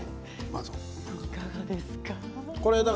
いかがですか？